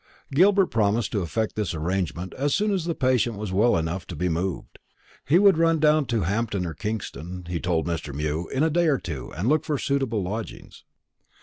Gilbert promised to effect this arrangement, as soon as the patient was well enough to be moved. He would run down to Hampton or Kingston, he told Mr. Mew, in a day or two, and look for suitable lodgings.